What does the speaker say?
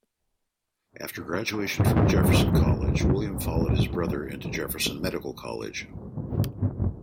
After graduation from Jefferson College, William followed his brother into Jefferson Medical College.